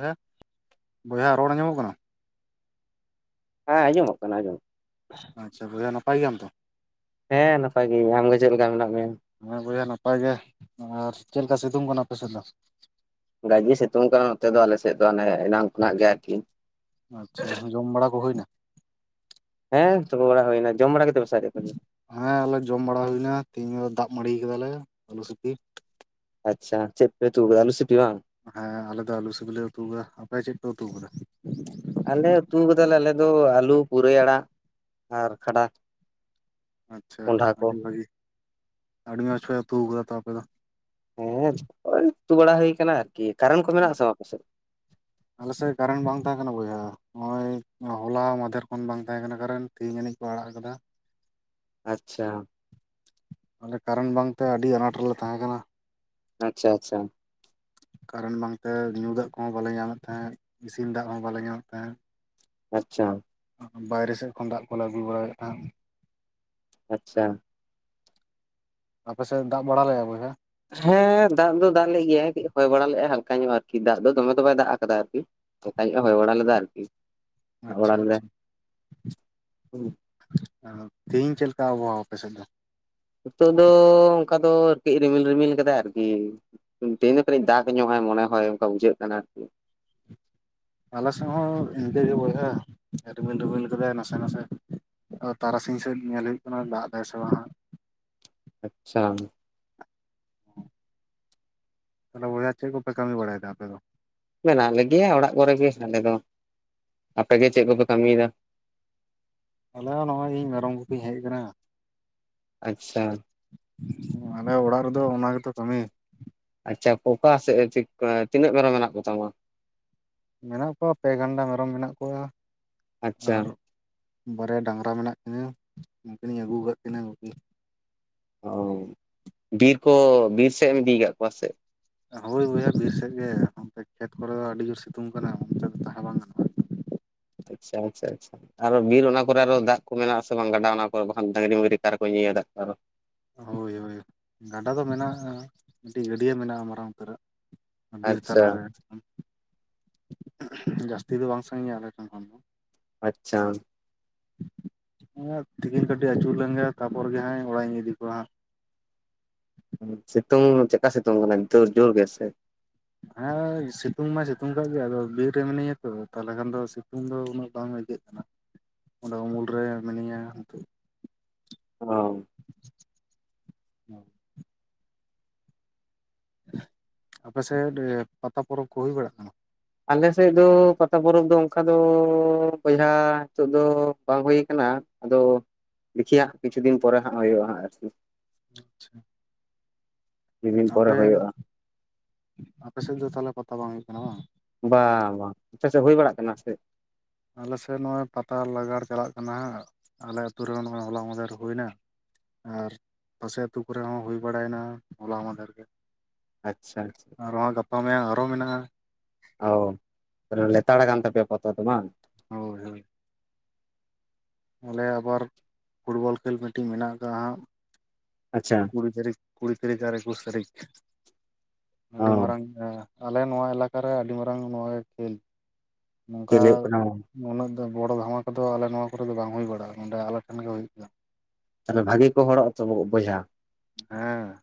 ᱦᱮᱸ ᱵᱚᱭᱦᱟ ᱨᱚᱲ ᱧᱟᱢᱚᱜ ᱠᱟᱱᱟ᱾ ᱦᱮᱸ ᱟᱸᱡᱚᱢᱚᱜ ᱠᱟᱱᱟ, ᱟᱸᱡᱚᱢᱚᱜ ᱠᱟᱱᱟ᱾ ᱟᱪᱪᱷᱟ ᱵᱚᱭᱦᱟ ᱱᱟᱯᱟᱭ ᱜᱮᱭᱟᱢ ᱛᱚ? ᱦᱮᱸ ᱱᱟᱯᱟᱭ ᱜᱮᱭᱟᱹᱧ᱾ ᱟᱢ ᱜᱮ ᱪᱮᱫ ᱞᱮᱠᱟ ᱢᱮᱱᱟᱜ ᱢᱮᱭᱟ? ᱦᱮᱸ ᱵᱚᱭᱦᱟ ᱱᱟᱯᱟᱭ ᱜᱮ ᱟᱨ ᱪᱮᱫ ᱞᱮᱠᱟ ᱥᱤᱛᱩᱝ ᱠᱟᱱᱟ ᱟᱯᱮ ᱥᱮᱫ ᱫᱚ? ᱜᱟᱹᱡᱤ ᱥᱤᱛᱩᱝ ᱠᱟᱱᱟ᱾ ᱱᱚᱛᱮ ᱫᱚ ᱟᱞᱮ ᱥᱮᱫ ᱫᱚ ᱟᱱᱮ ᱮᱱᱟᱝ ᱠᱷᱚᱱᱟᱜ ᱜᱮ ᱟᱨᱠᱤ᱾ ᱟᱪᱪᱷᱟ ᱡᱚᱢ ᱵᱟᱲᱟ ᱠᱚ ᱦᱩᱭᱱᱟ᱾ ᱦᱮᱸ ᱛᱩᱯᱩ ᱵᱟᱲᱟ ᱦᱩᱭᱱᱟ᱾ ᱡᱚᱢ ᱵᱟᱲᱟ ᱠᱮᱫ ᱯᱮ ᱥᱮ ᱟᱣᱨᱤ? ᱦᱮᱸ ᱟᱞᱮ ᱡᱚᱢ ᱵᱟᱲᱟ ᱦᱩᱭᱱᱟ᱾ ᱛᱮᱦᱤᱧ ᱫᱚ ᱫᱟᱜ ᱢᱟᱹᱲᱤ ᱠᱟᱫᱟ ᱞᱮ ᱟᱹᱞᱩ ᱥᱤᱯᱤ ᱟᱪᱪᱷᱟ ᱪᱮᱫᱯᱮ ᱩᱛᱩ ᱠᱟᱫᱟ ᱟᱞᱩ ᱥᱤᱯᱤ ᱵᱟᱝ ᱦᱮᱸ ᱟᱞᱮ ᱫᱚ ᱟᱞᱩ ᱥᱤᱵᱤᱞᱮ ᱩᱛᱩᱣ ᱠᱟᱫᱟ ᱟᱯᱮ ᱪᱮᱫ ᱯᱮ ᱩᱛᱩᱣ ᱠᱟᱫᱟ? ᱟᱞᱮ ᱩᱛᱩᱣ ᱠᱟᱫᱟᱞᱮ ᱟᱞᱮ ᱫᱚ ᱟᱹᱞᱩ ᱯᱩᱨᱟᱹᱭ ᱟᱲᱟᱜ ᱟᱨ ᱠᱷᱟᱰᱟ ᱟᱪᱪᱷᱟ ᱠᱚᱸᱰᱷᱟ ᱠᱚ ᱟᱹᱰᱤ ᱵᱷᱟᱹᱜᱤ ᱟᱹᱰᱤ ᱢᱚᱡᱽ ᱯᱮ ᱩᱛᱩᱣ ᱠᱟᱫᱟ ᱛᱚ ᱟᱯᱮ ᱫᱚ ᱦᱮᱸ ᱦᱚᱭ ᱩᱛᱩ ᱵᱟᱲᱟ ᱦᱩᱭ ᱠᱟᱱᱟ ᱟᱨᱠᱤ ᱠᱟᱨᱮᱱ ᱠᱚ ᱢᱮᱱᱟᱜ ᱟᱥᱮ ᱵᱟᱝ ᱟᱯᱮ ᱥᱮᱫ? ᱟᱞᱮᱥᱮᱫ ᱠᱟᱨᱮᱱ ᱵᱟᱝ ᱛᱟᱦᱮᱸ ᱠᱟᱱᱟ ᱵᱚᱭᱦᱟ ᱱᱚᱜᱼᱚᱭ ᱦᱚᱞᱟ ᱢᱟᱫᱷᱮᱨ ᱠᱷᱚᱱ ᱵᱟᱝ ᱛᱟᱦᱮᱸ ᱠᱟᱱᱟ ᱠᱟᱨᱮᱱ ᱛᱮᱦᱤᱧ ᱟᱱᱤᱡ ᱠᱚ ᱟᱲᱟᱜ ᱠᱟᱫᱟ ᱟᱪᱪᱷᱟ ᱢᱟᱱᱮ ᱠᱟᱨᱮᱱ ᱵᱟᱝᱛᱮ ᱟᱹᱰᱤ ᱟᱱᱟᱴ ᱨᱮᱞᱮ ᱛᱟᱦᱮᱸ ᱠᱟᱱᱟ ᱟᱪᱪᱷᱟ ᱪᱷᱟ ᱠᱟᱨᱮᱱ ᱵᱟᱝᱛᱮ ᱧᱩ ᱫᱟᱜ ᱠᱚᱦᱚᱸ ᱵᱟᱞᱮ ᱧᱟᱢᱮᱫ ᱛᱟᱦᱮᱸᱜ ᱤᱥᱤᱱ ᱫᱟᱜ ᱦᱚᱸ ᱵᱟᱞᱮ ᱧᱟᱢᱮᱫ ᱛᱟᱦᱮᱸᱫ ᱟᱪᱪᱷᱟ ᱵᱟᱭᱨᱮ ᱥᱮᱫ ᱠᱷᱚᱱ ᱫᱟᱜ ᱠᱚᱞᱮ ᱟᱹᱜᱩ ᱵᱟᱲᱟᱭᱮᱫ ᱛᱟᱦᱮᱸᱫ ᱟᱪᱪᱷᱟ ᱟᱯᱮ ᱥᱮᱫ ᱫᱟᱜ ᱵᱟᱲᱟ ᱞᱮᱜᱼᱟᱭ ᱵᱚᱭᱦᱟ ᱦᱮᱸ ᱫᱟᱜ ᱫᱚ ᱫᱟᱜ ᱞᱮᱫ ᱜᱮᱭᱟᱭ ᱦᱚᱭ ᱵᱟᱲᱟ ᱞᱮᱜᱼᱟᱭ ᱦᱟᱞᱠᱟ ᱧᱚᱜ ᱟᱨᱠᱤ ᱫᱟᱜ ᱫᱚ ᱫᱚᱢᱮ ᱫᱚ ᱵᱟᱭ ᱫᱟᱜ ᱠᱟᱫᱟ ᱟᱨᱠᱤ ᱦᱟᱞᱠᱟ ᱧᱚᱜ ᱮ ᱦᱚᱭ ᱵᱟᱲᱟ ᱞᱮᱫᱟ ᱟᱨᱠᱤ ᱫᱟᱜ ᱵᱟᱲᱟ ᱟᱪᱪᱷᱟ ᱞᱮᱫᱟᱭ ᱟᱪᱪᱷᱟ ᱦᱩᱸ ᱟᱸ ᱛᱤᱦᱤᱧ ᱪᱮᱫ ᱠᱟ ᱟᱵᱚᱦᱟᱣᱟ ᱟᱯᱮ ᱥᱮᱫ ᱫᱚ? ᱱᱤᱛᱚᱜ ᱫᱚ ᱚᱝᱠᱟ ᱫᱚ ᱟᱨᱠᱤ ᱨᱤᱢᱤᱞ ᱨᱤᱢᱤᱞ ᱠᱟᱫᱟᱭ ᱟᱨᱠᱤ ᱛᱮᱦᱮᱧ ᱫᱚ ᱠᱟᱴᱤᱪ ᱫᱟᱜᱽ ᱧᱚᱜᱼᱟᱭ ᱢᱚᱱᱮ ᱦᱚᱭ ᱚᱱᱠᱟ ᱵᱩᱡᱷᱟᱹᱜ ᱠᱟᱱᱟ ᱟᱨᱠᱤ ᱟᱞᱮ ᱥᱮᱜ ᱦᱚᱸ ᱤᱱᱠᱟᱹ ᱜᱮ ᱵᱚᱭᱦᱟ ᱨᱤᱢᱤᱞ ᱨᱤᱢᱤᱞ ᱠᱟᱫᱟᱭ ᱱᱟᱥᱮ ᱱᱟᱥᱮ ᱛᱟᱨᱟᱥᱤᱧ ᱥᱮᱫ ᱧᱮᱞ ᱦᱩᱭᱩᱜ ᱠᱟᱱᱟ ᱫᱟᱜ ᱫᱟᱭ ᱥᱮ ᱵᱟᱝ ᱦᱟᱸᱜ ᱟᱪᱪᱷᱟ ᱛᱟᱞᱦᱮ ᱵᱚᱭᱦᱟ ᱪᱮᱫ ᱠᱚᱯᱮ ᱠᱟᱹᱢᱤ ᱵᱟᱲᱟᱭ ᱫᱟ ᱟᱯᱮ ᱫᱚ? ᱢᱮᱱᱟᱜ ᱞᱮᱜᱮᱭᱟ ᱚᱲᱟᱜ ᱠᱚᱨᱮ ᱜᱮ ᱟᱞᱮ ᱫᱚ, ᱟᱯᱮ ᱜᱮ ᱪᱮᱫ ᱠᱚᱯᱮ ᱠᱟᱹᱢᱤᱭ ᱫᱟ? ᱟᱞᱮ ᱦᱚᱸ ᱱᱚᱜᱼᱚᱭ ᱤᱧ ᱢᱮᱨᱚᱢ ᱜᱩᱯᱤᱧ ᱦᱮᱡ ᱠᱟᱱᱟ ᱟᱪᱪᱷᱟ ᱟᱞᱮ ᱦᱚ ᱚᱲᱟᱜ ᱨᱮᱫᱚ ᱚᱱᱟ ᱜᱮᱛᱚ ᱠᱟᱹᱢᱤ ᱟᱪᱪᱷᱟ ᱯᱚᱠᱟ ᱥᱮᱫ ᱟᱸ ᱛᱤᱱᱟᱹᱜ ᱢᱮᱨᱚᱢ ᱢᱮᱱᱟᱜ ᱠᱚᱛᱟᱢᱟ? ᱢᱮᱱᱟᱜ ᱠᱚᱣᱟ ᱯᱮ ᱜᱟᱱᱰᱟ ᱢᱮᱨᱚᱢ ᱢᱮᱱᱟᱜ ᱠᱚᱣᱟ ᱟᱪᱪᱷᱟ ᱟᱨ ᱵᱟᱨᱭᱟ ᱰᱟᱝᱜᱨᱟ ᱢᱮᱱᱟᱜ ᱠᱤᱱᱟᱹ ᱱᱩᱠᱤᱱᱤᱧ ᱟᱹᱜᱩ ᱟᱠᱟᱫ ᱠᱤᱱᱟᱹ ᱜᱩᱯᱤ ᱚ ᱵᱤᱨ ᱠᱚ ᱵᱤᱨ ᱥᱮᱫ ᱮᱢ ᱤᱫᱤᱭᱟᱠᱟᱫ ᱠᱚᱣᱟ ᱥᱮ ᱦᱚᱭ ᱵᱚᱭᱦᱟ ᱵᱤᱨ ᱥᱮᱫ ᱜᱮ ᱚᱱᱛᱮ ᱠᱷᱮᱛ ᱠᱚᱨᱮ ᱫᱚ ᱟᱹᱰᱤ ᱡᱩᱨ ᱥᱤᱛᱩᱝ ᱠᱟᱱᱟ ᱚᱱᱛᱮ ᱫᱚ ᱛᱟᱦᱮᱸ ᱵᱟᱝ ᱜᱟᱱᱚᱜᱼᱟ ᱟᱪᱪᱷᱟ ᱟᱪᱷᱟ ᱟᱪᱷᱟ ᱟᱨᱚ ᱵᱤᱨ ᱚᱱᱟ ᱠᱚᱨᱮ ᱟᱨᱚ ᱫᱟᱜ ᱠᱚ ᱢᱮᱱᱟᱜ ᱟᱥᱮ ᱵᱟᱝ ᱜᱟᱰᱟ ᱚᱱᱟ ᱠᱚᱨᱮ ᱵᱟᱠᱷᱟᱱ ᱰᱟᱝᱜᱨᱤ ᱢᱟᱝᱨᱤ ᱚᱠᱟ ᱨᱮᱠᱚ ᱧᱩᱭᱟ ᱫᱟᱜ ᱠᱚ ᱦᱚᱭ ᱦᱚᱭ ᱜᱟᱰᱟ ᱫᱚ ᱢᱮᱱᱟᱜᱼᱟ ᱢᱤᱫᱴᱤᱡ ᱜᱟᱹᱰᱭᱟᱹ ᱢᱮᱱᱟᱜᱼᱟ ᱢᱟᱨᱟᱝ ᱩᱛᱟᱹᱨᱟᱜ ᱵᱤᱨ ᱟᱪᱪᱷᱟ ᱛᱟᱞᱟᱨᱮ ᱡᱟᱹᱥᱛᱤ ᱫᱚ ᱵᱟᱝ ᱥᱟᱺᱜᱤᱧᱟ ᱟᱞᱮ ᱴᱷᱮᱱ ᱠᱷᱚᱱ ᱫᱚ ᱟᱪᱪᱷᱟ ᱛᱤᱠᱤᱱ ᱠᱟᱹᱴᱤᱡ ᱟᱹᱪᱩᱨ ᱞᱮᱱᱜᱮ ᱛᱟᱯᱚᱨ ᱜᱮ ᱦᱟᱸᱜ ᱚᱲᱟᱜ ᱤᱧ ᱤᱫᱤ ᱠᱚᱣᱟ ᱦᱟᱸᱜ ᱥᱤᱛᱩᱝ ᱪᱮᱠᱟ ᱥᱤᱛᱩᱝ ᱠᱟᱱᱟ ᱡᱩᱨ ᱡᱩᱨ ᱜᱮᱥᱮ ᱦᱮᱸ ᱥᱤᱛᱩᱝ ᱢᱟᱭ ᱥᱤᱛᱩᱝ ᱠᱟᱜ ᱜᱮᱭᱟ ᱟᱫᱚ ᱵᱤᱨ ᱨᱮ ᱢᱤᱱᱟᱹᱧᱟ ᱛᱚ ᱛᱟᱦᱚᱞᱮ ᱠᱷᱟᱱ ᱫᱚ ᱥᱤᱛᱩᱝ ᱫᱚ ᱩᱱᱟᱹᱜ ᱵᱟᱝ [unintelligible] ᱚᱸᱰᱮ ᱩᱢᱩᱞ ᱨᱮ ᱢᱤᱱᱟᱹᱧᱟ ᱱᱤᱛᱚᱜ ᱚ [unintelligible] ᱦᱮᱸ ᱟᱯᱮ ᱥᱮᱫ ᱯᱟᱛᱟ ᱯᱚᱨᱚᱵᱽ ᱠᱚ ᱦᱩᱭ ᱵᱟᱲᱟᱜ ᱠᱟᱱᱟ ᱟᱞᱮᱥᱮᱫ ᱫᱚ ᱯᱟᱛᱟ ᱯᱚᱨᱚᱵᱽ ᱫᱚ ᱚᱝᱠᱟ ᱫᱚ ᱵᱚᱭᱦᱟ ᱱᱤᱛᱚᱜ ᱫᱚ ᱵᱟᱝ ᱦᱩᱭᱩ ᱟᱠᱟᱱᱟ ᱟᱫᱚ ᱫᱤᱠᱷᱤᱦᱟᱜ ᱠᱤᱪᱷᱩ ᱫᱤᱱ ᱯᱚᱨᱮ ᱦᱟᱸᱜ ᱦᱩᱭᱩᱜᱼᱟ ᱟᱨᱠᱤ ᱟᱪᱪᱷᱟ ᱠᱤᱪᱷᱩ ᱫᱤᱱ ᱯᱚᱨᱮ ᱟᱯᱮ ᱦᱩᱭᱩᱜᱼᱟ ᱟᱯᱮ ᱥᱮᱫ ᱫᱚ ᱛᱟᱦᱚᱞᱮ ᱯᱟᱛᱟ ᱵᱟᱝ ᱦᱩᱭᱩᱜ ᱠᱟᱱᱟ ᱵᱟᱝ ᱵᱟ ᱵᱟᱝ ᱟᱯᱮ ᱥᱮᱫ ᱦᱩᱭ ᱵᱟᱲᱟᱜ ᱠᱟᱱᱟ ᱥᱮ ᱪᱮᱫ? ᱟᱞᱮᱥᱮᱜ ᱱᱚᱜᱼᱚᱭ ᱯᱟᱛᱟ ᱞᱟᱜᱟᱲ ᱪᱟᱞᱟᱜ ᱠᱟᱱᱟ ᱦᱟᱸᱜ ᱟᱞᱮ ᱟᱛᱩᱨ ᱨᱮ ᱱᱚᱜ ᱚᱭ ᱦᱚᱞᱟ ᱢᱟᱦᱫᱮᱨ ᱦᱩᱭᱱᱟ ᱟᱨ ᱯᱟᱥᱮ ᱟᱹᱛᱩ ᱠᱚᱨᱮ ᱦᱚᱸ ᱦᱩᱭ ᱵᱟᱲᱟᱭ ᱱᱟ ᱦᱚᱞᱟ ᱢᱟᱫᱷᱮᱨ ᱜᱮ ᱟᱪᱪᱷᱟ ᱟᱨ ᱦᱚᱸᱜ-ᱚᱭ ᱜᱟᱯᱟ ᱢᱮᱟᱭᱟᱝ ᱟᱨᱦᱚᱸ ᱢᱮᱱᱟᱜᱼᱟ ᱚ ᱛᱟᱞᱮ ᱞᱮᱛᱟᱲ ᱠᱟᱱ ᱛᱟᱯᱮᱭᱟ ᱯᱚᱛᱟ ᱫᱚ ᱵᱟᱝ? ᱦᱳ ᱦᱳᱭ ᱟᱞᱮ ᱟᱵᱟᱨ ᱯᱷᱩᱴᱵᱚᱞ ᱠᱷᱮᱞ ᱢᱤᱫᱴᱤᱝ ᱢᱮᱱᱟᱜ ᱠᱟᱜ-ᱟ ᱠᱟ ᱦᱟᱸᱜ ᱟᱪᱪᱷᱟ ᱠᱩᱲᱤ ᱛᱟᱹᱨᱤᱠᱷ ᱠᱩᱲᱤ ᱛᱟᱹᱨᱤᱠᱷ ᱟᱨ ᱮᱠᱩᱥ ᱛᱟᱹᱨᱤᱠᱷ ᱚ ᱟᱹᱰᱤ ᱢᱟᱨᱟᱝ ᱟᱞᱮ ᱱᱚᱣᱟ ᱮᱞᱟᱠᱟᱨᱮ ᱟᱹᱰᱤ ᱢᱟᱨᱟᱝ ᱱᱚᱣᱟ ᱠᱷᱮᱞ ᱪᱮᱫ ᱱᱚᱝᱠᱟ ᱞᱟᱹᱭ ᱦᱩᱭᱩᱜ ᱠᱟᱱᱟ ᱩᱱᱟᱹᱜ ᱫᱚ ᱵᱚᱲᱚ ᱫᱷᱟᱢᱟ ᱠᱚᱫᱚ ᱟᱞᱮ ᱱᱚᱣᱟ ᱠᱚᱨ ᱫᱚ ᱵᱟᱝ ᱦᱩᱭ ᱵᱟᱲᱟᱜᱼᱟ ᱱᱚᱸᱰᱮ ᱟᱞᱮᱴᱷᱮᱱ ᱜᱮ ᱦᱩᱭᱩᱜ ᱛᱟᱦᱞᱮ ᱵᱷᱟᱹᱜᱤ ᱠᱚ ᱦᱚᱲᱚᱜ-ᱟ ᱛᱚᱵ ᱵᱚᱭᱦᱟ ᱦᱮᱸ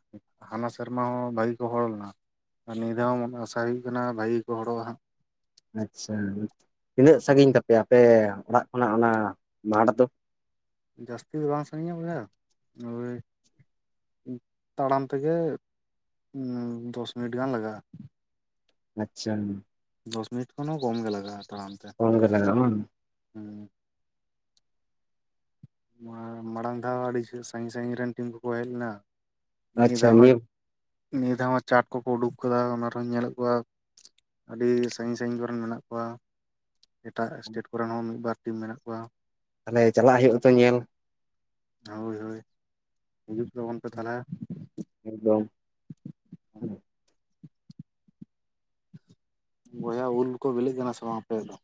ᱦᱟᱱᱟ ᱥᱮᱨᱢᱟ ᱦᱚᱸ ᱵᱷᱟᱜᱤ ᱠᱚ ᱦᱚᱲᱚ ᱞᱮᱱᱟ ᱟᱨ ᱱᱤᱭᱟᱹ ᱫᱷᱟᱣ ᱦᱚᱸ ᱢ ᱟᱥᱟ ᱦᱩᱭᱩᱜ ᱠᱟᱱᱟ ᱵᱷᱟᱜᱤ ᱜᱮᱠᱚ ᱦᱚᱲᱚᱜᱼᱟ ᱦᱟᱸᱜ ᱟᱪᱪᱷᱟ ᱛᱤᱱᱟᱹᱜ ᱥᱟᱺᱜᱤᱧ ᱛᱟᱯᱮᱭᱟ ᱟᱯᱮ ᱚᱲᱟᱜ ᱠᱷᱚᱱᱟᱜ ᱚᱱᱟ ᱢᱟᱴᱷ ᱫᱚ? ᱡᱟᱹᱥᱛᱤ ᱫᱚ ᱵᱟᱝ ᱥᱟᱜᱤᱧᱟ ᱵᱚᱭᱦᱟ ᱳᱭ ᱛᱟᱲᱟᱢ ᱛᱮᱜᱮ ᱫᱚᱥ ᱢᱤᱱᱤᱴ ᱜᱟᱱ ᱞᱟᱜᱟᱜᱼᱟ ᱟᱪᱪᱷᱟ ᱫᱚᱥ ᱢᱤᱱᱤᱴ ᱠᱷᱚᱱ ᱦᱚᱸ ᱠᱚᱢ ᱜᱮ ᱞᱟᱜᱟᱜᱼᱟ ᱛᱟᱲᱟᱢ ᱛᱮ ᱠᱚᱢ ᱜᱮ ᱞᱟᱜᱟᱜᱼᱟ ᱵᱟᱝ ᱦᱩᱸ ᱢᱟᱲᱟᱝ ᱫᱷᱟᱣ ᱟᱹᱰᱤ ᱡᱷᱟᱹᱞ ᱥᱟᱺᱜᱤᱧ ᱥᱟᱺᱜᱤᱧ ᱨᱮᱱ ᱴᱤᱢ ᱠᱚᱠᱚ ᱦᱮᱡ ᱞᱮᱱᱟ ᱱᱤᱭᱟᱹ ᱫᱷᱟᱣ ᱦᱚᱸ ᱱᱤᱭᱟᱹ ᱫᱷᱟᱣ ᱦᱚᱸ ᱪᱟᱴ ᱠᱚᱠᱚ ᱩᱰᱩᱠ ᱠᱟᱫᱟ ᱚᱱᱟ ᱨᱮᱦᱚᱸᱧ ᱧᱮᱞᱮᱫ ᱠᱚᱣᱟ ᱟᱹᱰᱤ ᱥᱟᱺᱜᱤᱧ ᱥᱟᱺᱜᱤᱧ ᱠᱚᱨᱮᱱ ᱢᱮᱱᱟᱜ ᱠᱚᱣᱟ ᱮᱴᱟᱜ ᱥᱴᱮᱴ ᱠᱚᱨᱮᱱ ᱦᱚᱸ ᱢᱤᱫ ᱵᱟᱨ ᱴᱤᱢ ᱢᱮᱱᱟᱜ ᱠᱚᱣᱟ ᱛᱟᱞᱦᱮ ᱪᱟᱞᱟᱜ ᱦᱩᱭᱩᱜ-ᱟ ᱛᱚ ᱧᱮᱞ ᱦᱳᱭ ᱦᱳᱭ ᱦᱤᱡᱩᱜ ᱛᱟᱵᱚᱱ ᱯᱮ ᱛᱟᱞᱦᱮ ᱮᱠᱫᱚᱢ ᱦᱩᱸ ᱵᱚᱭᱦᱟ ᱩᱞ ᱠᱚ ᱵᱤᱞᱤᱜ ᱠᱟᱱᱟ ᱥᱮ ᱵᱟᱝ ᱟᱯᱮᱭᱟᱜ ᱫᱚ?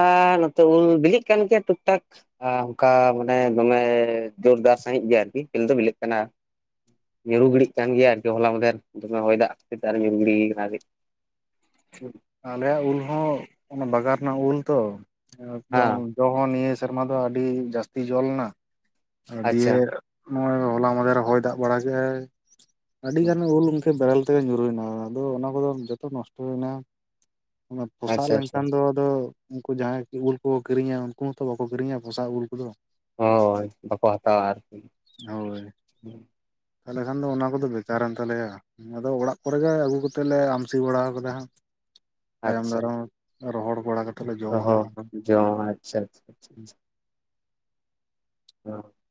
ᱟᱨ ᱱᱚᱛᱮ ᱩᱞ ᱵᱤᱞᱤᱜ ᱠᱟᱱ ᱜᱮᱭᱟ ᱴᱩᱠ ᱴᱟᱠ ᱟ ᱚᱝᱠᱟ ᱢᱟᱱᱮ ᱫᱚᱢᱮ ᱡᱳᱨᱫᱟᱨ ᱥᱟᱺᱦᱤᱡ ᱜᱮ ᱟᱨᱠᱤ ᱢᱤᱞ ᱫᱚ ᱢᱤᱞᱮᱜ ᱠᱟᱱᱟ ᱧᱩᱨᱩᱨᱩ ᱜᱤᱰᱤᱜ ᱠᱟᱱ ᱜᱮᱭᱟ ᱟᱨᱠᱤ ᱦᱚᱞᱟ ᱢᱟᱽᱫᱷᱮᱨ ᱫᱚᱢᱮ ᱦᱚᱭ ᱫᱟᱜ ᱪᱮᱛᱟᱱ ᱨᱮ ᱧᱩᱨᱩ ᱜᱤᱲᱤ ᱠᱟᱱᱟ ᱟᱨᱠᱤ ᱦᱮᱸ ᱟᱞᱮᱭᱟᱜ ᱩᱞ ᱦᱚᱸ ᱚᱱᱟ ᱵᱟᱜᱟᱱ ᱨᱮᱱᱟᱜ ᱩᱞ ᱛᱚ ᱮᱠᱫᱚᱢ ᱡᱚ ᱦᱚᱸ ᱱᱤᱭᱟᱹ ᱥᱮᱨᱢᱟ ᱫᱚ ᱟᱹᱰᱤ ᱡᱟᱹᱥᱛᱤ ᱡᱚ ᱞᱮᱱᱟ ᱟᱪᱪᱷᱟ ᱫᱤᱭᱮ ᱱᱚᱜ ᱚᱭ ᱦᱚᱞᱟ ᱢᱟᱫᱷᱮᱨ ᱨᱮ ᱦᱚᱭ ᱫᱟᱜ ᱵᱟᱲᱟ ᱠᱮᱫᱼᱟᱭ ᱟᱹᱰᱤ ᱜᱟᱱ ᱩᱞ ᱵᱮᱨᱮᱞ ᱛᱮᱜᱮ ᱧᱩᱨᱩᱭᱱᱟ ᱟᱫᱚ ᱚᱱᱟ ᱠᱚᱫᱚ ᱡᱚᱛᱚ ᱱᱚᱥᱴᱚ ᱭᱮᱱᱟᱴ ᱚᱱᱟ ᱯᱚᱥᱟᱜ ᱟᱪᱪᱷᱟ ᱟᱪᱪᱷᱟ ᱞᱮᱱᱠᱷᱟᱱ ᱫᱚ ᱟᱫᱚ ᱩᱱᱠᱩ ᱡᱟᱦᱟᱸᱭ ᱩᱞ ᱠᱚᱠᱚ ᱟᱠᱤᱨᱤᱧᱟ ᱩᱱᱠᱩ ᱦᱚᱸᱛᱚ ᱵᱟᱠᱚ ᱠᱤᱨᱤᱧᱟ ᱯᱚᱚᱥᱟᱜ ᱩᱞ ᱠᱚᱫᱚ ᱦᱳᱭ ᱵᱟᱠᱚ ᱦᱟᱛᱟᱣᱟ ᱟᱨᱠᱤ ᱦᱳᱭ ᱛᱟᱦᱚᱞᱮ ᱠᱷᱟᱱ ᱫᱚ ᱚᱱᱟ ᱠᱚᱫᱚ ᱵᱮᱠᱟᱨᱮᱱ ᱛᱟᱞᱮᱭᱟ ᱟᱫᱚ ᱚᱲᱟᱜ ᱠᱚᱨᱮ ᱜᱮ ᱟᱹᱜᱩ ᱠᱟᱛᱮᱫ ᱞᱮ ᱟᱢᱥᱤ ᱵᱟᱲᱟ ᱠᱟᱫᱟ ᱦᱟᱸᱜ ᱛᱟᱭᱚᱢ ᱫᱟᱨᱟᱢ ᱨᱚᱦᱚᱲ ᱵᱟᱲᱟ ᱠᱟᱛᱮ ᱨᱚᱦᱚᱲ ᱡᱚᱢ ᱟᱪᱪᱷᱟ ᱟᱪᱷᱟ ᱟᱪᱪᱷᱟ [unintelligible]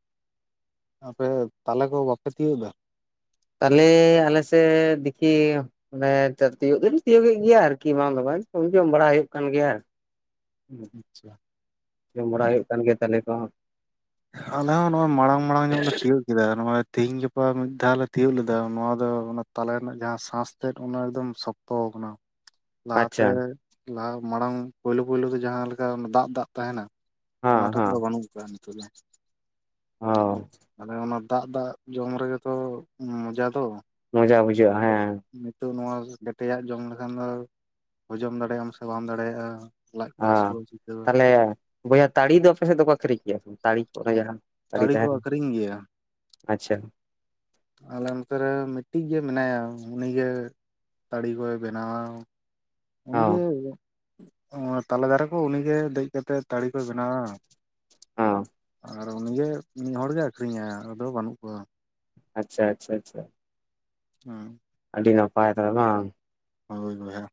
ᱟᱯᱮ ᱫᱚ ᱛᱟᱞᱮ ᱠᱚ ᱵᱟᱯᱮ ᱛᱤᱭᱳᱜᱟ? ᱛᱟᱞᱮ ᱟᱞᱮ ᱥᱮᱫ ᱫᱤᱠᱷᱤ ᱟᱞᱮ ᱱᱮᱛᱟᱨ ᱛᱤᱭᱳᱜ ᱫᱚᱞᱮ ᱛᱤᱭᱳᱜ ᱮᱫ ᱜᱮᱭᱟ ᱟᱨᱠᱤ ᱵᱟᱝ ᱫᱚ ᱵᱟᱝ ᱡᱚᱢ ᱵᱟᱲᱟ ᱦᱩᱭᱩᱜ ᱠᱟᱱ ᱜᱮᱭᱟ [unintelligible] ᱟᱪᱪᱷᱟ ᱡᱚᱢ ᱵᱟᱲᱟ ᱦᱩᱭᱩᱜ ᱠᱟᱱ ᱜᱮᱭᱟ ᱛᱟᱞᱮ ᱠᱚ ᱦᱚᱸ ᱟᱞᱮ ᱦᱚᱸ ᱱᱚᱣᱟ ᱢᱟᱲᱟᱝ ᱢᱟᱲᱟᱝ ᱧᱚᱜ ᱞᱮ ᱛᱤᱭᱩᱜ ᱠᱮᱫᱟ ᱱᱚᱜᱚᱭ ᱛᱤᱦᱤᱧ ᱜᱟᱯᱟ ᱢᱤᱫ ᱫᱷᱟᱣ ᱞᱮ ᱛᱤᱭᱩᱜ ᱞᱮᱫᱟ ᱱᱚᱣᱟ ᱫᱚ ᱚᱱᱟ ᱛᱟᱞᱮ ᱨᱮᱱᱟᱜ ᱡᱟᱦᱟᱸ ᱥᱟᱥ ᱛᱮᱫ ᱚᱱᱟ ᱮᱠᱫᱚᱢ ᱥᱚᱠ [inaudible] ᱛᱚ ᱠᱟᱱᱟ ᱟᱪᱪᱷᱟ ᱞᱟᱦᱟᱛᱮ ᱞᱟᱦᱟ ᱢᱟᱲᱟᱝ ᱯᱳᱭᱞᱳ ᱯᱳᱭᱞᱳ ᱫᱚ ᱡᱟᱦᱟᱸ ᱞᱮᱠᱟ ᱫᱟᱜ ᱫᱟᱜ ᱛᱟᱦᱮᱱᱟ ᱦᱮᱸ ᱚᱱᱟᱴᱟᱜ ᱫᱚ ᱦᱮᱸ ᱵᱟᱹᱱᱩᱜ ᱠᱟᱜ ᱱᱤᱛᱚᱜ ᱫᱚ ᱚ ᱟᱞᱮ ᱚᱱᱟ ᱫᱟᱜᱼ ᱫᱟᱜ ᱡᱚᱢ ᱨᱮᱜᱮ ᱛᱚ ᱢᱚᱡᱟ ᱫᱚ ᱢᱚᱡᱟ ᱵᱩᱡᱷᱟᱹᱜᱼᱟ ᱦᱮᱸ ᱱᱤᱛᱚᱜ ᱱᱚᱣᱟ ᱠᱮᱴᱮᱡ ᱟᱜ ᱡᱚᱢ ᱞᱮᱠᱷᱟᱱ ᱫᱚ ᱦᱚᱡᱚᱢ ᱫᱟᱲᱮᱭᱟᱜ ᱟᱢ ᱥᱮ ᱵᱟᱢ ᱫᱟᱲᱮᱭᱟᱜᱼᱟ ᱞᱟᱡ ᱠᱚ ᱦᱟᱹᱥᱩ ᱟᱸ ᱦᱟᱹᱥᱩ ᱛᱟᱦᱚᱞᱮ ᱵᱚᱭᱦᱟ ᱛᱟᱲᱤ ᱫᱚ ᱟᱯᱮ ᱥᱮᱫ ᱫᱚᱠᱚ ᱟᱹᱠᱷᱨᱤᱧ ᱜᱮᱭᱟ ᱛᱟᱲᱤ ᱚᱱᱮ ᱡᱟᱦᱟᱸ ᱟᱹᱰᱤ ᱛᱟᱹᱲᱤ ᱠᱚ ᱛᱟᱦᱮᱱ ᱟᱹᱠᱷᱨᱤᱧ ᱜᱮᱭᱟ ᱟᱪᱪᱷᱟ ᱟᱞᱮ ᱱᱚᱛᱮ ᱨᱮ ᱢᱤᱫᱴᱤᱡ ᱜᱮ ᱢᱮᱱᱟᱭᱟ ᱩᱱᱤᱜᱮ ᱛᱟᱲᱤ ᱠᱚᱭ ᱵᱮᱱᱟᱣᱟ ᱦᱚᱸ ᱩᱱᱤᱜᱮ ᱚ ᱛᱟᱞᱮ ᱫᱟᱨᱮ ᱠᱚ ᱩᱱᱤᱜᱮ ᱫᱮᱡ ᱠᱟᱛᱮᱜ ᱛᱟᱹᱲᱤ ᱠᱚᱭ ᱵᱮᱱᱟᱣᱟ ᱦᱚᱸ ᱟᱨ ᱩᱱᱤᱜᱮ ᱢᱤᱫ ᱦᱚᱲ ᱜᱮ ᱟᱹᱠᱷᱨᱤᱧᱟᱭ ᱟᱫᱚ ᱵᱟᱹᱱᱩᱜ ᱠᱚᱣᱟ ᱟᱪᱪᱷᱟ ᱟᱪᱪᱷᱟ ᱟᱪᱪᱷᱟ ᱦᱮᱸ ᱟᱹᱰᱤ ᱱᱟᱯᱟᱭ ᱛᱚᱵᱮ ᱵᱟᱝ ᱦᱳᱭ ᱵᱚᱭᱦᱟ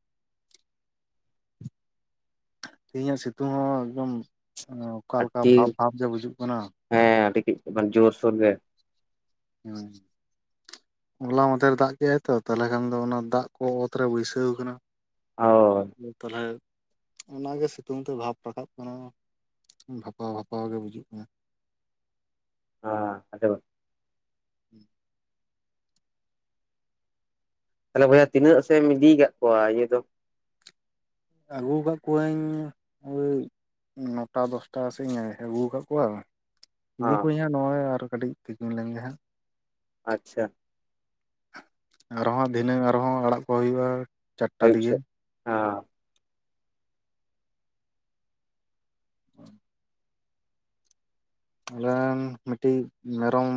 ᱛᱮᱦᱤᱧᱟᱜ ᱥᱤᱛᱩᱝ ᱦᱚᱸ ᱮᱠᱫᱚᱢ ᱚᱠᱟᱞᱮᱠᱟ ᱟᱹᱰᱤ ᱵᱷᱟᱵᱽ ᱵᱷᱟᱵᱽ ᱜᱮ ᱵᱩᱡᱩᱜ ᱠᱟᱱᱟ ᱦᱮᱸ ᱟᱰᱤ [inaudible] ᱡᱳᱨᱥᱳᱨ ᱜᱮ ᱦᱩᱸ ᱦᱚᱞᱟ ᱢᱟᱫᱷᱮᱨ ᱫᱟᱜ ᱠᱮᱜ ᱟᱭ ᱛᱚ ᱛᱟᱞᱦᱮ ᱠᱷᱟᱱ ᱫᱚ ᱚᱱᱟ ᱫᱟᱜ ᱠᱚ ᱚᱛᱨᱮ ᱵᱟᱹᱭᱥᱟᱹᱣ ᱠᱟᱱᱟ ᱚ ᱛᱚᱞᱦᱟ ᱚᱱᱟᱜᱮ ᱥᱤᱛᱩᱝ ᱛᱮ ᱵᱷᱟᱵᱽ ᱨᱟᱠᱟᱵ ᱠᱟᱱᱟ ᱵᱷᱟᱯᱟᱣ ᱵᱷᱟᱯᱟᱣ ᱜᱮ ᱵᱩᱡᱩᱜ ᱠᱟᱱᱟ ᱦᱮᱸ ᱟᱰᱤ [unintelligible] ᱛᱟᱦᱚᱞᱮ ᱵᱚᱭᱦᱟ ᱛᱤᱱᱟᱹᱜ ᱥᱮ ᱮᱢ ᱤᱫᱤᱠᱟᱜ ᱠᱚᱣᱟ ᱤᱭᱟᱹ ᱫᱚ ᱟᱹᱜᱩ ᱠᱟᱜ ᱠᱚᱣᱟᱹᱧ ᱳᱭ ᱱᱚᱴᱟ ᱫᱚᱥᱴᱟ ᱥᱮᱜ ᱤᱧ ᱟᱹᱜᱩ ᱠᱟᱜ ᱠᱚᱣᱟ ᱤᱫᱤ ᱦᱚᱸ ᱠᱚᱣᱟᱹᱧ ᱦᱟᱸᱜ ᱱᱚᱸᱜᱼᱚᱭ ᱟᱨ ᱠᱟᱹᱴᱤᱡ ᱛᱤᱠᱤᱧ ᱞᱮᱱᱜᱮ ᱦᱟᱸᱜ ᱟᱪᱪᱷᱟ ᱟᱨᱦᱚᱸ ᱫᱷᱤᱱᱟᱹᱝ ᱟᱨᱦᱚᱸ ᱟᱲᱟᱜ ᱠᱚ ᱦᱩᱭᱩᱜᱼᱟ ᱪᱟᱨᱴᱟ ᱟᱭᱩᱵ ᱫᱤᱜᱮ ᱥᱮᱫ ᱦᱩᱸ ᱟᱞᱮ ᱨᱮᱱ ᱢᱤᱫᱴᱤᱡ ᱢᱮᱨᱚᱢ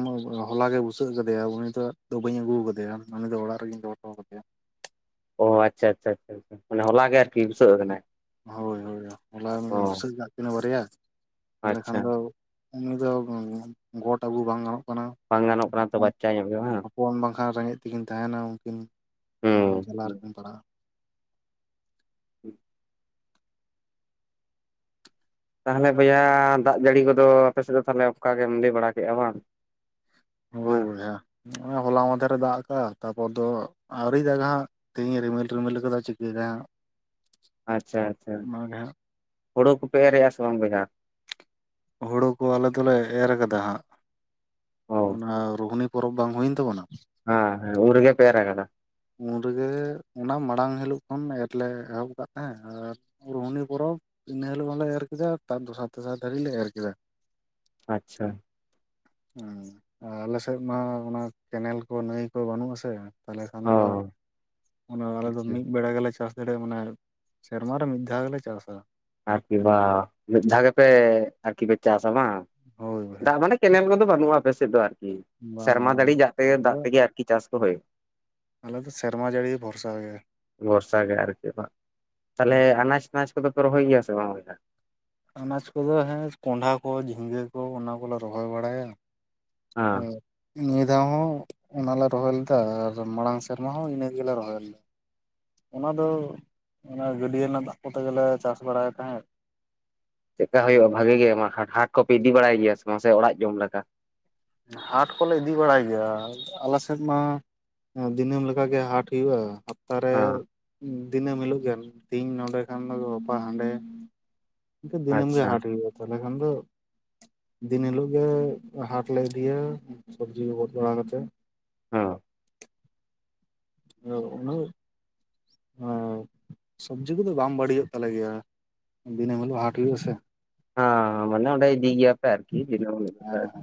ᱦᱚᱞᱟᱜᱮ ᱵᱩᱥᱟᱹᱜ ᱠᱟᱫᱮᱭᱟᱭ ᱱᱤᱛᱚᱜ ᱫᱚ ᱵᱟᱹᱧ ᱟᱹᱜᱩ ᱠᱟᱫᱮᱭᱟ ᱩᱱᱤ ᱫᱚ ᱚᱲᱟᱜ ᱨᱮᱜᱮᱧ ᱫᱚᱦᱚ ᱦᱚᱴᱚ ᱠᱟᱫᱮᱭᱟ ᱚ ᱟᱪᱪᱷᱟ ᱟᱪᱪᱷᱟ ᱟᱪᱪᱷᱟ ᱢᱟᱱᱮ ᱦᱚᱞᱟ ᱜᱮ ᱟᱨᱠᱤ ᱵᱩᱥᱟᱹᱜ ᱠᱟᱱᱟᱭ ᱦᱳᱭ ᱦᱳᱭ ᱦᱚᱞᱟ ᱩᱱᱤ ᱵᱩᱥᱟᱹᱜ ᱠᱟᱜ ᱠᱤᱱᱟᱹ ᱵᱟᱨᱭᱟ ᱛᱟᱦᱚᱞᱮ ᱠᱷᱟᱱ ᱟᱪᱪᱷᱟ ᱫᱚ ᱩᱱᱤ ᱫᱚ ᱜᱚᱴ ᱟᱹᱜᱩ ᱵᱟᱝ ᱜᱟᱱᱚᱜ ᱠᱟᱱᱟ ᱵᱟᱝ ᱜᱟᱱᱚᱜ ᱠᱟᱱᱟ ᱛᱚ ᱦᱚᱯᱚᱱ ᱵᱟᱪᱪᱟ ᱧᱚᱜ ᱜᱮᱭᱟ ᱵᱟᱝ ᱦᱚᱯᱚᱱ ᱵᱟᱝ ᱠᱷᱟᱱ ᱨᱮᱸᱜᱮᱡ ᱛᱮᱠᱤᱱ ᱛᱟᱦᱮᱱᱼᱟ ᱩᱱᱠᱤᱱ ᱦᱩᱸ ᱡᱟᱞᱟ ᱨᱮᱠᱤᱱ ᱯᱟᱲᱟᱜᱼᱟ ᱦᱮᱸ [unintelligible] ᱛᱟᱦᱚᱞᱮ ᱵᱚᱭᱦᱟ ᱫᱟᱜ ᱡᱟᱹᱲᱤ ᱠᱚᱫᱚ ᱟᱯᱮ ᱥᱮᱜ ᱫᱚ ᱛᱟᱦᱚᱞᱮ ᱚᱱᱠᱟ ᱜᱮᱢ ᱞᱟᱹᱭ ᱵᱟᱲᱟ ᱠᱮᱜᱼᱟ ᱵᱟᱝ ᱦᱳᱭ ᱦᱮᱸ ᱵᱚᱭᱦᱟ ᱱᱚᱸᱜᱼᱚᱭ ᱦᱚᱞᱟ ᱢᱚᱫᱷᱮᱨ ᱮ ᱫᱟᱜ ᱠᱟᱜ‌ ᱛᱟᱯᱚᱨ ᱫᱚ ᱟᱹᱣᱨᱤ ᱫᱟᱜ ᱟ ᱦᱟᱸᱜ ᱛᱮᱦᱤᱧ ᱨᱤᱢᱤᱞ ᱨᱤᱢᱤᱞ ᱠᱟᱫᱟ ᱪᱤᱠᱟᱹᱭ ᱫᱟᱭ ᱦᱟᱸᱜ ᱟᱪᱪᱷᱟ ᱟᱪᱪᱷᱟ ᱚᱱᱟᱜᱮ ᱦᱟᱸᱜ ᱦᱩᱲᱩ ᱠᱚᱯᱮ ᱮᱨᱮᱼᱮᱜ ᱟ ᱥᱮ ᱵᱟᱝ ᱵᱚᱭᱦᱟ ᱦᱩᱲᱩ ᱠᱚ ᱟᱞᱮ ᱫᱚᱞᱮ ᱮᱨ ᱟᱠᱟᱫᱟ ᱦᱟᱸᱜ᱾ ᱚ ᱚᱱᱟ ᱨᱩᱦᱱᱤ ᱯᱚᱨᱚᱵᱽ ᱵᱟᱝ ᱦᱩᱭᱮᱱ ᱛᱟᱵᱚᱱᱟ ᱦᱮᱸ ᱦᱮᱸ ᱩᱱᱨᱜᱮ ᱯᱮ ᱮᱨ ᱟᱠᱟᱫᱟ? ᱩᱱ ᱨᱮᱜᱮ ᱚᱱᱟ ᱢᱟᱲᱟᱝ ᱦᱤᱞᱚᱜ ᱠᱷᱚᱱ ᱮᱨ ᱞᱮ ᱮᱦᱚᱵ ᱟᱠᱟᱫ ᱛᱟᱦᱮᱸ ᱟᱨ ᱨᱩᱦᱱᱤ ᱯᱚᱨᱚᱵᱽ ᱤᱱᱟᱹ ᱦᱤᱞᱳᱜ ᱦᱚᱸᱞᱮ ᱮᱨ ᱠᱮᱫᱟ ᱛᱟᱵ ᱫᱚᱥᱟᱨ ᱛᱮᱥᱟᱨ ᱫᱷᱟᱹᱨᱤᱡ ᱞᱮ ᱮᱨ ᱠᱮᱫᱟ᱾ ᱟᱪᱷᱟ [inaudible] ᱩᱸ ᱟᱞᱮ ᱥᱮᱫ ᱢᱟ ᱚᱱᱟ ᱠᱮᱱᱮᱞ ᱠᱚ ᱱᱟᱹᱭ ᱠᱚ ᱵᱟᱹᱱᱩᱜ ᱟ ᱥᱮ ᱛᱟᱦᱞᱮ ᱠᱷᱟᱱ ᱚ ᱫᱚ ᱚᱱᱟ ᱟᱞᱮ ᱫᱚ ᱟᱪᱪᱷᱟ ᱢᱤᱫ ᱵᱮᱲᱟ ᱜᱮᱞᱮ ᱪᱟᱥ ᱫᱟᱲᱤᱭᱟᱜ ᱢᱟᱱᱮ ᱥᱮᱨᱢᱟ ᱨᱮ ᱢᱤᱫ ᱫᱷᱟᱣ ᱜᱮᱞᱮ ᱪᱟᱥᱟ᱾ ᱟᱨᱠᱤ ᱵᱟ, ᱢᱤᱫ ᱫᱷᱟᱣ ᱜᱮᱯᱮ, ᱟᱨᱠᱤ ᱯᱮ ᱪᱟᱥᱼᱟ ᱵᱟᱝ? ᱦᱳᱭ ᱵᱚᱭᱦᱟ ᱫᱟᱜ, ᱢᱟᱱᱮ ᱠᱮᱱᱮᱞ ᱠᱚᱫᱚ ᱵᱟᱹᱱᱩᱜᱼᱟ ᱾ ᱟᱯᱮ ᱥᱮᱫ ᱫᱚ, ᱟᱨᱠᱤ ᱵᱟᱝ ᱥᱮᱨᱢᱟ ᱵᱟᱝ ᱡᱟᱹᱲᱤ ᱫᱟᱜ ᱟᱫᱚ ᱛᱮᱜᱮ, ᱟᱨᱠᱤ ᱪᱟᱥ ᱠᱚ ᱦᱩᱭᱩᱜ, ᱟᱞᱮ ᱫᱚ ᱥᱮᱨᱢᱟ ᱡᱟᱹᱲᱤ ᱵᱷᱚᱨᱥᱟ ᱜᱮ ᱵᱚᱨᱥᱟ ᱜᱮ ᱟᱨᱠᱤ, ᱵᱟᱝ? ᱛᱟᱞᱦᱮ ᱟᱱᱟᱡ ᱟᱱᱟᱡᱽ ᱠᱚᱫᱚ ᱯᱮ, ᱨᱚᱦᱚᱭ ᱜᱮᱭᱟ ᱥᱮ ᱵᱟᱝ? ᱵᱚᱭᱦᱟ ᱾ ᱟᱱᱟᱡᱽ ᱠᱚᱫᱚ ᱾ ᱦᱮᱸ, ᱠᱚᱸᱰᱷᱟ ᱠᱚ, ᱡᱷᱤᱸᱜᱟᱹ ᱠᱚ, ᱚᱱᱟ ᱠᱚ ᱞᱮ ᱨᱚᱦᱚᱭ ᱵᱟᱲᱟᱭᱟ ᱾ ᱦᱮᱸ ᱦᱮ ᱾ ᱱᱤᱭᱟᱹ ᱫᱷᱟᱣ ᱦᱚᱸ ᱚᱱᱟ ᱞᱮ ᱨᱚᱦᱚᱭ ᱞᱮᱫᱟ ᱟᱨ ᱢᱟᱲᱟᱝ ᱥᱮᱨᱢᱟ ᱦᱚᱸ ᱤᱱᱟᱹ ᱜᱮᱞᱮ ᱨᱚᱦᱚᱭ ᱞᱮᱫᱟ ᱾ ᱚᱱᱟ ᱫᱚ ᱚᱱᱟ ᱜᱟᱹᱰᱭᱟᱹ ᱨᱮᱱᱟᱜ ᱫᱟᱜ ᱠᱚᱛᱮ ᱜᱮᱞᱮ ᱪᱟᱥ ᱵᱟᱲᱟᱭ ᱛᱟᱦᱮᱸᱫ ᱾ ᱪᱮᱫᱠᱟ ᱦᱩᱭᱩᱜᱼᱟ ᱵᱷᱟᱜᱮ ᱜᱮ, ᱦᱟᱴ ᱠᱚ ᱯᱮ ᱤᱫᱤ ᱵᱟᱲᱟᱭ ᱜᱮᱭᱟ ᱥᱮ ᱵᱟᱝ ᱥᱮ ᱚᱲᱟᱜ ᱡᱚᱢ ᱞᱮᱠᱟ? ᱦᱟᱴ ᱠᱚᱞᱮ ᱤᱫᱤ ᱵᱟᱲᱟᱭ ᱜᱮᱭᱟ ᱾ ᱟᱞᱮ ᱥᱮᱫ ᱢᱟ ᱫᱤᱱᱟᱹᱢ ᱞᱮᱠᱟ ᱜᱮ ᱦᱟᱴ ᱦᱩᱭᱩᱜᱼᱟ ᱾ ᱦᱟᱯᱛᱟ ᱨᱮ ᱦᱮᱸ ᱫᱤᱱᱟᱹᱢ ᱦᱤᱞᱳᱜ ᱜᱮ, ᱛᱮᱦᱤᱧ ᱱᱚᱸᱰᱮ ᱠᱷᱟᱱ ᱫᱚ ᱜᱟᱯᱟ ᱦᱟᱸᱰᱮ ᱾ ᱤᱱᱠᱟᱹ ᱫᱤᱱᱟᱹᱢ ᱜᱮ ᱟᱪᱪᱷᱟ ᱦᱟᱴ ᱦᱩᱭᱩᱜᱼᱟ, ᱛᱟᱦᱞᱮ ᱠᱷᱟᱱ ᱫᱚ ᱫᱤᱱ ᱦᱤᱞᱳᱜ ᱜᱮ ᱦᱟᱴ ᱞᱮ ᱤᱫᱤᱭᱟ ᱥᱚᱵᱽᱡᱤ ᱠᱚ ᱜᱚᱫ ᱵᱟᱲᱟ ᱠᱟᱛᱮ ᱾ ᱦᱚᱸ ᱾ ᱟᱫᱚ ᱩᱱᱟᱹᱜ [inaudible] ᱦᱮᱸ, ᱥᱚᱵᱽᱡᱤ ᱠᱚᱫᱚ ᱵᱟᱝ ᱵᱟᱹᱲᱤᱡᱼᱚᱜ ᱛᱟᱞᱮ ᱜᱮᱭᱟ ᱾ ᱫᱤᱱᱟᱹᱢ ᱦᱤᱞᱳᱜ ᱦᱟᱴ ᱦᱩᱭᱩᱜᱼᱟ ᱥᱮ ᱾ ᱦᱮᱸ, ᱢᱟᱱᱮ ᱚᱸᱰᱮ ᱤᱫᱤ ᱜᱮᱭᱟ ᱯᱮ ᱟᱨᱠᱤ ᱦᱮᱸ [unintelligible]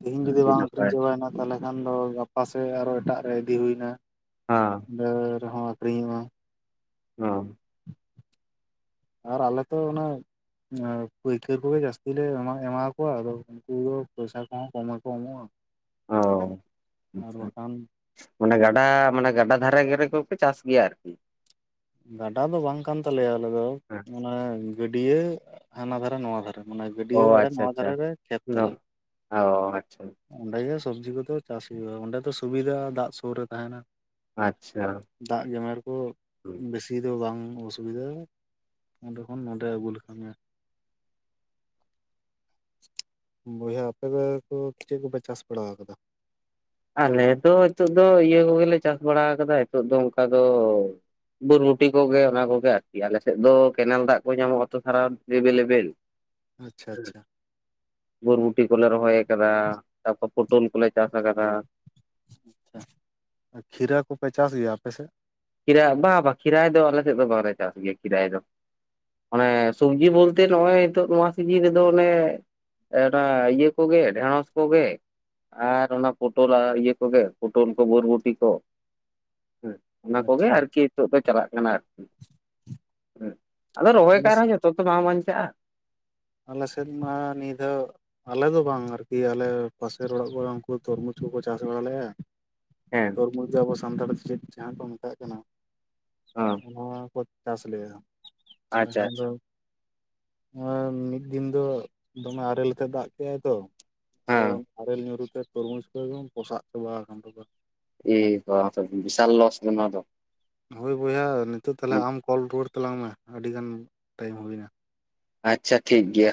ᱛᱮᱦᱤᱧ ᱡᱩᱫᱤ ᱟᱹᱰᱤ ᱵᱟᱝ ᱟᱹᱠᱷᱨᱤᱧ ᱱᱟᱯᱟᱭ ᱪᱟᱵᱟᱭᱮᱱᱟ ᱛᱟᱞᱦᱮ ᱠᱷᱟᱱ ᱫᱚ ᱜᱟᱯᱟ ᱥᱮᱫ ᱟᱨᱚ ᱮᱴᱟᱜ ᱨᱮ ᱤᱫᱤ ᱦᱩᱭ ᱮᱱᱟ ᱾ ᱦᱮᱸ ᱾ ᱛᱟᱹᱣ ᱨᱮᱦᱚᱸ ᱟᱹᱠᱷᱨᱤᱧᱚᱜᱼᱟ ᱾ [unintelligible] ᱟᱨ ᱟᱞᱮ ᱛᱚ ᱚᱱᱟ ᱯᱟᱹᱭᱠᱟᱹᱨ ᱠᱚᱜᱮ ᱡᱟᱹᱥᱛᱤ ᱞᱮ ᱮᱢᱟ ᱮᱢᱟ ᱠᱚᱣᱟ, ᱟᱫᱚ ᱱᱩᱠᱩ ᱫᱚ ᱯᱚᱭᱥᱟ ᱠᱚ ᱦᱚᱸ ᱠᱚᱢ ᱜᱮᱠᱚ ᱮᱢᱚᱜ-ᱟ ᱾ ᱚ, [inaudible] ᱟᱪᱪᱷᱟ ᱾ ᱢᱟᱱᱮ ᱜᱟᱰᱟ, ᱢᱟᱱᱮ ᱜᱟᱰᱟ ᱫᱷᱟᱨᱮ ᱨᱮᱜᱚ ᱯᱮ ᱪᱟᱥ ᱜᱮᱭᱟ ᱟᱨᱠᱤ ᱾ ᱜᱟᱰᱟ ᱫᱚ ᱵᱟᱝ ᱠᱟᱱ ᱛᱟᱞᱮᱭᱟ, ᱟᱞᱮ ᱫᱚ ᱦᱮᱸ ᱚᱱᱟ ᱜᱟᱹᱰᱭᱟᱹ ᱦᱟᱱᱟ ᱫᱷᱟᱨᱮ ᱱᱚᱣᱟ ᱫᱷᱟᱨᱮ ᱾ ᱢᱟᱱᱮ ᱚ ᱜᱟᱹᱰᱭᱟᱹ ᱟᱲᱮ ᱟᱪᱪᱷᱟ ᱱᱚᱣᱟ ᱟᱪᱪᱷᱟ ᱫᱷᱟᱨᱮ ᱨᱮ ᱠᱷᱮᱛ ᱛᱟᱞᱮ ᱚ ᱾ ᱟᱪᱪᱷᱟ [inaudible] ᱚᱸᱰᱮ ᱜᱮ ᱥᱚᱵᱽᱡᱤ ᱠᱚᱫᱚ ᱪᱟᱥ ᱦᱩᱭᱩᱜ-ᱟ, ᱚᱸᱰᱮ ᱫᱚ ᱥᱩᱵᱤᱫᱟ ᱫᱟᱜ ᱥᱳᱨ ᱨᱮ ᱛᱟᱦᱮᱱᱟ ᱾ ᱟᱪᱪᱷᱟ ᱫᱟᱜ ᱜᱮᱢᱮᱨ ᱠᱚ ᱵᱤᱥ ᱤ ᱫᱚ ᱵᱟᱝ ᱚᱥᱩᱵᱤᱫᱟ ᱾ [inaudible] ᱚᱸᱰᱮ ᱠᱷᱚᱱ ᱱᱚᱰᱮ ᱟᱹᱜᱩ ᱞᱮᱠᱷᱟᱱ ᱜᱮ ᱾ [inaudible] ᱵᱚᱭᱦᱟ ᱟᱯᱮ ᱫᱚ ᱠᱚ ᱪᱮᱫ ᱠᱚ ᱯᱮ ᱪᱟᱥ ᱵᱟᱲᱟ ᱟᱠᱟᱫᱟ? ᱟᱞᱮ ᱫᱚ ᱦᱤᱛᱚᱜ ᱫᱚ ᱤᱭᱟᱹ ᱠᱚᱜᱮ ᱞᱮ ᱪᱟᱥ ᱵᱟᱲᱟ ᱟᱠᱟᱫᱟ ᱦᱤᱛᱚᱜ ᱫᱚ ᱚᱝᱠᱟ ᱫᱚ ᱵᱚ ᱨᱚᱴᱮ ᱠᱚᱜᱮ ᱚᱱᱟ ᱠᱚᱜᱮ ᱟᱨᱠᱤ ᱟᱞᱮᱥᱮᱜ ᱫᱚ ᱠᱮᱱᱮᱞ ᱫᱟᱜ ᱠᱚ ᱧᱟᱢᱚᱜ-ᱟ ᱛᱚ ᱥᱟᱨᱟ ᱡᱮᱵᱮᱞᱮᱵᱮᱞ ᱟᱪᱷᱟ ᱟᱪᱷᱟ ᱵᱚᱨᱵᱩᱴᱤ ᱠᱚᱞᱮ ᱨᱚᱦᱚᱭ ᱟᱠᱟᱫᱟ ᱛᱟᱯᱚᱨ ᱯᱚᱴᱚᱞ ᱠᱚᱞᱮ ᱪᱟᱥ ᱟᱠᱟᱫᱟ᱾ ᱟᱪᱷᱟ ᱠᱷᱤᱨᱟᱹ ᱠᱚᱯᱮ ᱪᱟᱥ ᱜᱮᱭᱟ ᱟᱯᱮ ᱥᱮᱫ? ᱠᱷᱤᱨᱟ ᱵᱟᱝ ᱵᱟᱝ ᱠᱷᱤᱨᱟᱭ ᱫᱚ ᱟᱞᱮ ᱥᱮᱫ ᱫᱚ ᱵᱟᱝᱞᱮ ᱪᱟᱥ ᱜᱮᱭᱟ ᱠᱷᱤᱨᱟᱭ ᱫᱚ᱾ ᱚᱱᱮ ᱥᱚᱵᱡᱤ ᱵᱚᱞᱛᱮ ᱱᱚᱜ-ᱚᱭ ᱱᱤᱛᱚᱜ ᱱᱚᱶᱟ ᱥᱤᱡᱤᱱ ᱨᱮᱫᱚ ᱚᱱᱮ ᱮᱸ ᱱᱚᱣᱟ ᱤᱭᱟᱹ ᱠᱚᱜᱮ ᱰᱷᱮᱲᱚᱥ ᱠᱚᱜᱮ ᱟᱨ ᱚᱱᱟ ᱯᱚᱴᱚᱞ ᱟᱨ ᱤᱭᱟᱹ ᱠᱚᱜᱮ ᱯᱚᱴᱚᱞ ᱠᱚ ᱵᱩᱨᱵᱩᱴᱤ ᱠᱚ ᱦᱮᱸ ᱚᱱᱟ ᱠᱚᱜᱮ ᱟᱪᱪᱷᱟ ᱟᱪᱪᱷᱟ ᱟᱨᱠᱤ ᱦᱤᱛᱚᱜ ᱫᱚ ᱪᱟᱞᱟᱜ ᱠᱟᱱᱟ ᱟᱫᱚ ᱨᱚᱦᱚᱭ ᱟᱞᱮ ᱠᱟᱜ ᱨᱮᱦᱚᱸ ᱡᱚᱛ ᱱᱤᱛᱚᱜ ᱛᱚ ᱵᱟᱝ ᱵᱟᱧᱪᱟᱜ-ᱟ, ᱟᱞᱮ ᱥᱮᱫ ᱢᱟ ᱱᱤᱫᱟᱹᱣ ᱟᱞᱮ ᱫᱚ ᱵᱟᱝ ᱟᱨᱠᱤ ᱟᱞᱮ ᱯᱟᱥᱮ ᱚᱲᱟᱜ ᱠᱚᱨᱮ ᱩᱱᱠᱩ ᱛᱩᱨᱢᱩᱡᱽ ᱠᱚᱠᱚ ᱪᱟᱥ ᱵᱟᱲᱟ ᱞᱮᱜ-ᱟ, ᱦᱮᱸ ᱛᱩᱨᱢᱩᱡ ᱡᱮ ᱟᱵᱚ ᱥᱟᱱᱛᱟᱲ ᱛᱮ ᱪᱮᱫ ᱡᱟᱦᱟᱸ ᱠᱚ ᱢᱮᱛᱟᱜ ᱠᱟᱱᱟ ᱦᱚᱸ ᱱᱚᱣᱟ ᱠᱚ ᱪᱟᱥ ᱞᱮᱜ-ᱟ ᱛᱟᱦᱞᱮ ᱟᱪᱪᱷᱟ ᱠᱷᱟᱱ ᱫᱚ ᱟᱪᱪᱷᱟ ᱱᱚᱣᱟ᱾ ᱢᱤᱫ ᱫᱤᱱ ᱫᱚ ᱫᱚᱢᱮ ᱟᱨᱮᱞ ᱞᱮᱠᱟ ᱫᱟᱜ ᱠᱮᱜ-ᱟᱭ ᱛᱚ ᱟᱫᱚ ᱦᱮᱸ ᱟᱨᱮᱞ ᱧᱩᱨᱩ ᱛᱮ, ᱛᱩᱨᱢᱩᱡᱽ ᱫᱚ ᱮᱠᱫᱚᱢ ᱯᱚᱥᱟᱜ ᱪᱟᱵᱟ ᱟᱠᱟᱱ ᱛᱟᱠᱚᱣᱟ, ᱮᱭ [inaudible] ᱵᱤᱥᱟᱞ ᱞᱚᱥ ᱛᱚ ᱱᱚᱣᱟ ᱫᱚ ᱦᱳᱭ ᱵᱚᱭᱦᱟ ᱱᱤᱛᱚᱜ ᱛᱦᱟᱞᱮ ᱦᱩᱸ ᱟᱢ ᱠᱚᱞ ᱨᱩᱣᱟᱹᱲ ᱛᱟᱞᱟᱝ ᱢᱮ ᱟᱹᱰᱤ ᱜᱟᱱ ᱴᱟᱭᱤᱢ ᱦᱩᱭᱱᱟ᱾ ᱟᱪᱪᱷᱟ ᱴᱷᱤᱠ ᱜᱮᱭᱟ,